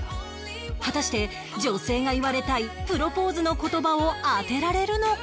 果たして女性が言われたいプロポーズの言葉を当てられるのか？